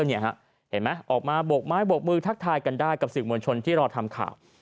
เห็นไหมออกมาโบกไม้โบกมือทักทายกันได้กับสื่อมวลชนที่รอทำข่าว